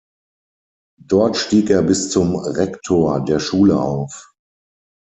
Dort stieg er bis zum Rektor der Schule auf.